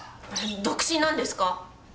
独身なんですか？